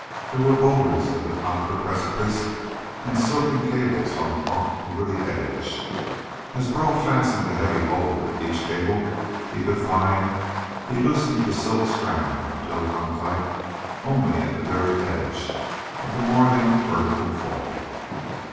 There were boulders at the top of the precipice and silken cables hung taut over the edge. As Burl fastened a heavy boulder to each cable he could find, he loosened the silken strand until it hung tight only at the very edge of the more than vertical fall.